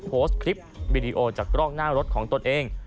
โพสต์คลิปวิดีโอจากกล้องหน้ารถของตนเอง